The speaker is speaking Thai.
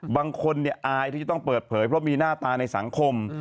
บางคนอายที่จะต้องเปิดเผยเพราะมีหน้าตาในสังคม